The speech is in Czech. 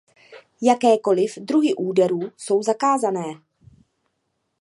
Jakékoliv druhy úderů jsou zakázané.